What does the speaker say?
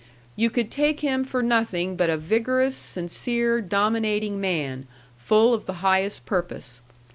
You could take him for nothing but a vigorous, sincere, dominating man, full of the highest purpose.